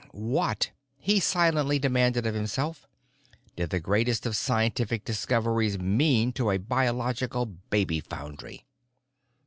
What, he silently demanded of himself, did the greatest of scientific discoveries mean to a biological baby foundry?